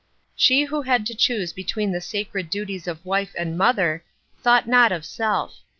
She who had to choose between the sacred duties of wife and mother, thought not of self.